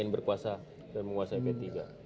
karena saya sudah jadilah pelatih